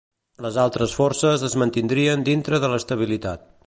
Les altres forces es mantindrien dintre de l'estabilitat.